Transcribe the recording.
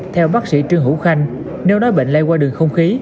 theo bác sĩ trương hữu khanh nếu nói bệnh lây qua đường không khí